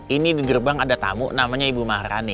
ini di gerbang ada tamu namanya ibu maharani